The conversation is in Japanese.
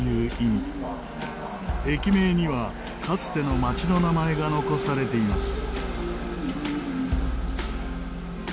駅名にはかつての街の名前が残されています。